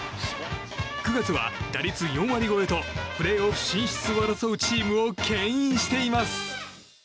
９月は打率４割超えとプレーオフ進出を争うチームを牽引しています。